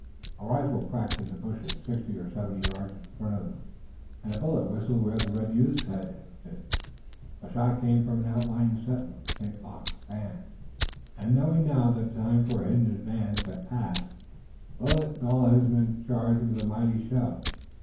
A rifle cracked in the bushes sixty or seventy yards in front of them, and a bullet whistled where the red youth's head had been. The shot came from an outlying sentinel of St. Luc's band, and knowing now that the time for a hidden advance had passed, Willet and all of his men charged with a mighty shout.